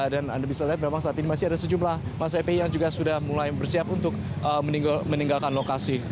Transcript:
dan anda bisa lihat memang saat ini masih ada sejumlah masa fpi yang juga sudah mulai bersiap untuk meninggalkan lokasi